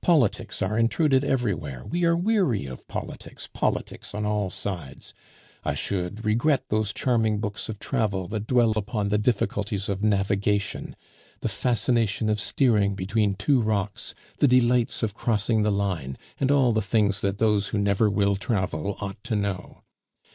Politics are intruded everywhere; we are weary of politics politics on all sides. I should regret those charming books of travel that dwelt upon the difficulties of navigation, the fascination of steering between two rocks, the delights of crossing the line, and all the things that those who never will travel ought to know.